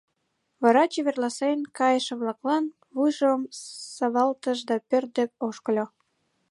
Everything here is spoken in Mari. Вара чеверласен кайыше-влаклан вуйжым савалтыш да пӧрт дек ошкыльо.